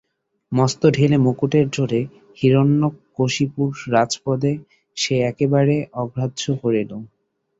মস্ত ঢিলে মুকুটের জোরে হিরণ্যকশিপুর রাজপদ সে একেবারে অগ্রাহ্য করিল।